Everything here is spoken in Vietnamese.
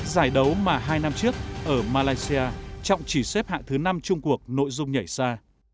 giải đấu mà hai năm trước ở malaysia trọng chỉ xếp hạng thứ năm trung cuộc nội dung nhảy xa